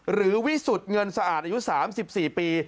วิสุทธิ์เงินสะอาดอายุ๓๔ปี